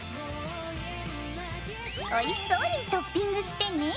おいしそうにトッピングしてね。